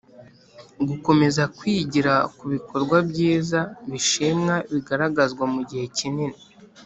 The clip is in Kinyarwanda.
Gukomeza kwigira ku bikorwa byiza bishimwa bigaragazwa mu gihe kinini